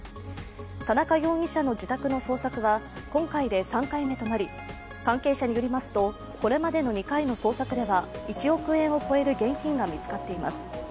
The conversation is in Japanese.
田中容疑者の自宅の捜索は今回で３回目となり関係者によりますと、これまでの２回の捜索では１億円を超える現金が見つかっています。